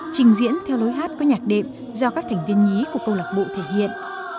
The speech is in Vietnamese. trình diễn theo lối hát có nhạc đệm do các thành viên nhí của câu lạc bộ thể hiện